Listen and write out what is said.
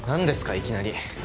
いきなり。